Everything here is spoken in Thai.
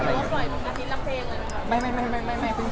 อันนี้รสลอยมานิดละเพลง